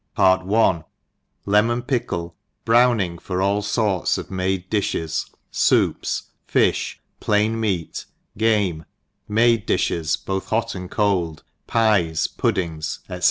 PART I^ Lemon Pickle, Browning for all Sorts of made Di(het, Soup8» Fifli, Plain Meat, Game, Made I>iihes both hot and cold, Pye«, Puddings, &c.